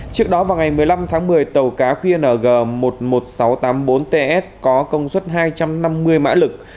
trước đó vào ngày một mươi năm tháng một mươi tàu cá qng một mươi một nghìn sáu trăm tám mươi bốn ts có công suất hai trăm năm mươi mã lực